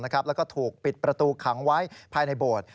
แล้วก็ถูกปิดประตูขังไว้ภายในโบสถ์